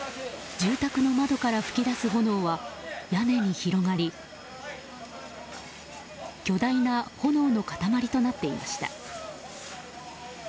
住宅の窓から噴き出す炎は屋根に広がり巨大な炎の塊となっていました。